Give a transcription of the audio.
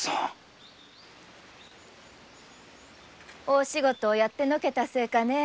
大仕事をやってのけたせいかねぇ。